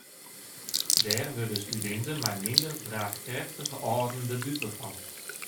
Dêr wurde studinten mei minder draachkrêftige âlden de dupe fan.